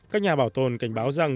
các nhà bảo tồn cảnh báo rằng